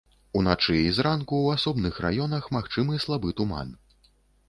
Уначы і зранку ў асобных раёнах магчымы слабы туман.